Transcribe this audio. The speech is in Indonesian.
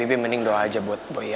aden kamu sebaiknya doa saja buat boy ya